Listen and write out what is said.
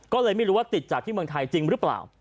ก็เลยไม่รู้ว่าติดจากที่เมืองไทยจริงหรือเปล่า